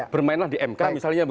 bermainlah di mk misalnya